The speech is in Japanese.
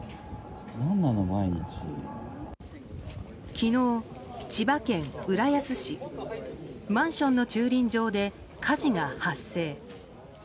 昨日、千葉県浦安市マンションの駐輪場で火事が発生。